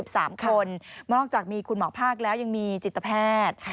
สามคนนอกจากมีคุณหมอภาคแล้วยังมีจิตแพทย์